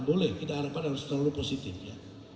boleh kita harapkan harus terlalu positif ya